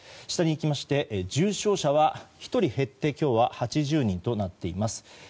下にいきまして重症者は１人減って今日は８０人となっています。